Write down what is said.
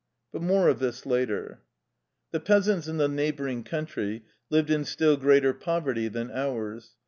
But more of this later. The peasants in the neighboring country lived in still greater poverty than ours.